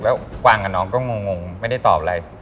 แล้วกวางกับน้องก็งงไม่ได้ตอบอะไร